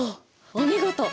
お見事！